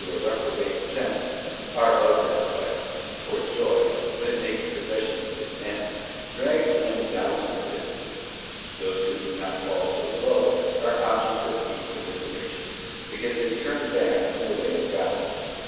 253 a reprobate sense,'* are of this class, for joy, when it makes possessions its end, drags men down to this. Those who do not fall so low are objects of deep commiseration, because they turn back from the way of God.